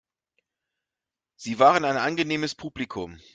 Sie waren ein angenehmes Publikum.